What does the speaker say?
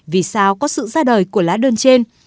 vì sao có sự ra đời của lá đơn trên